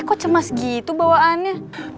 kok cemas gitu bawaannya